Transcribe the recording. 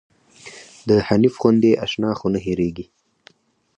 د حنيف غوندې اشنا خو نه هيريږي